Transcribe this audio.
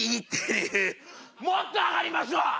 もっと上がりますわ！